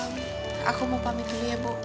aku mau pamit dulu ya bu